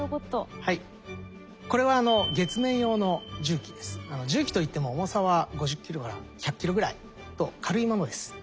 はいこれは重機といっても重さは５０キロから１００キロぐらいと軽いものです。